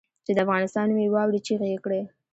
چې د افغانستان نوم یې واورېد چیغې یې کړې.